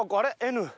Ｎ。